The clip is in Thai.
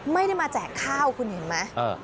ไม่ได้มาแจกข้าวคุณเห็นไหม